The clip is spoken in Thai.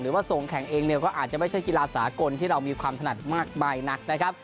หรือว่าส่งแข่งเองก็อาจจะไม่ใช่กีฬาสากลที่เรามีความถนัดมากมายนัก